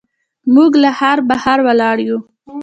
موږ له ښار بهر ولاړ یو.